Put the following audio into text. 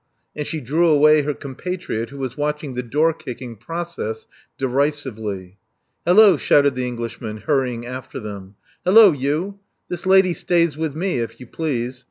And she drew away her compatriot, who was watching the door kicking process derisively. Hallo!" shouted the Englishman, hurrying after them. Hallo, you! This lady stays with me, if you please.